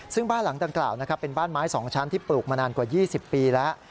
ซึ่งบ้านหลังดังกล่าวนะครับเป็นบ้านไม้๒ชั้นที่ปลูกมานานกว่า๒๐ปีแล้ว